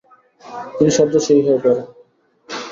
তিনি শয্যাশায়ী হয়ে পড়েন।